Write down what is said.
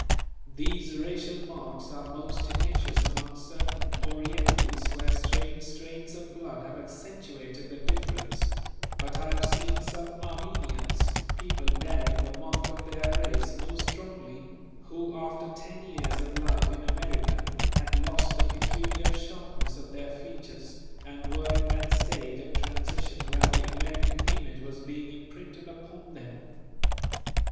These racial marks are most tenacious among certain Orientals where strange strains of blood have accentuated the difference; but I have seen some Armenians, people bearing the mark of their race most strongly, who after ten years of life in America, had lost the peculiar sharpness of their features and were in that stage of transition where the American image was being imprinted upon them.